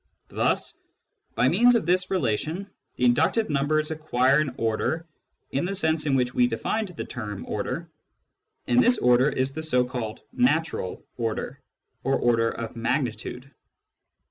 Thus by means of this relation the inductive numbers acquire an order in the sense in which we defined the term " order," and this order is the so called " natural " order, or order of magnitude.